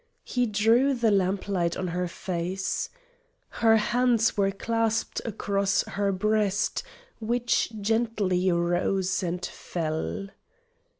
He threw the lamp light on her face. Her hands were clasped across her breast, which gently rose and fell.